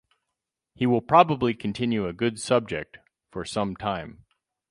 He will probably continue a good subject for some time.